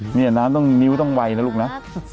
นี่น้ำต้องนิ้วต้องไวนะลูกนะ